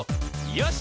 よし！